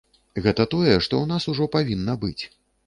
Гэта тое, што ў нас ужо павінна быць.